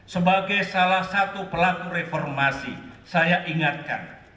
sebagai salah satu pelaku reformasi saya ingatkan